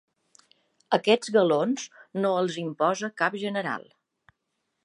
Aquests galons no els imposa cap general.